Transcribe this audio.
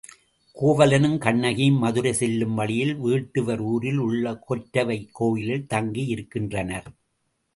கோவலனும் கண்ணகியும் மதுரை செல்லும் வழியில் வேட்டுவர் ஊரில் உள்ள கொற்றவை கோயிலில் தங்கியிருக்கின்றனர்.